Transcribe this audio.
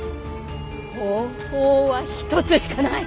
方法は一つしかない！